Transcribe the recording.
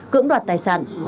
cưỡng đoạt tài sản